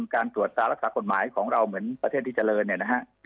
การตรวจตารักษากฎหมายของเราเหมือนประเทศที่เจริญเนี่ยนะฮะ